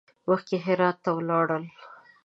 مخکې هرات ته ولاړل.